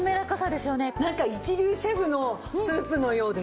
なんか一流シェフのスープのようです。